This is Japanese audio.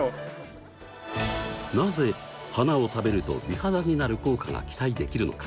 なぜ花を食べると美肌になる効果が期待できるのか？